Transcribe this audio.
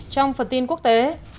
trong phần tin quốc tế